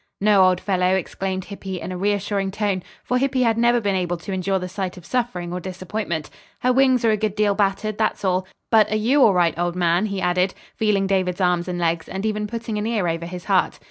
"No, old fellow," exclaimed Hippy in a reassuring tone, for Hippy had never been able to endure the sight of suffering or disappointment. "Her wings are a good deal battered, that's all. But are you all right, old man?" he added, feeling David's arms and legs, and even putting an ear over his heart.